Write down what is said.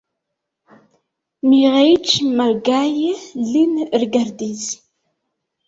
Miĥeiĉ malgaje lin rigardis.